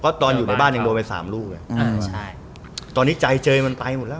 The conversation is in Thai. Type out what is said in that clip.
ก็ตอนอยู่ในบ้านยังโดยไว้๓ลูกตอนนี้ใจเจยมันตายหมดแล้ว